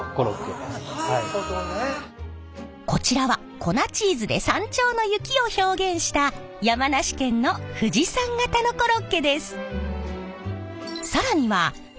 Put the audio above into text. こちらは粉チーズで山頂の雪を表現した山梨県の富士山型のコロッケです。